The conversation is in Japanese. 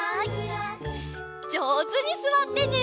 じょうずにすわってね！